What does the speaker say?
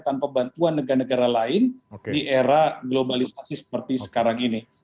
tanpa bantuan negara negara lain di era globalisasi seperti sekarang ini